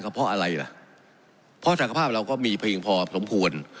ก็เพราะอะไรล่ะพอสังคมภาพเราก็มีพลิกพอสมควร